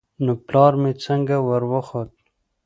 نو پلار مې څنگه وروخوت.